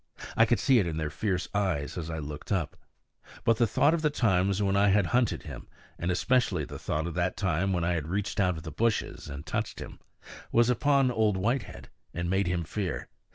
I could see it in their fierce eyes as I looked up. But the thought of the times when I had hunted him, and especially the thought of that time when I had reached out of the bushes and touched him, was upon Old Whitehead and made him fear.